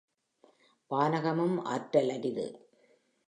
வானகமும் ஆற்றல் அரிது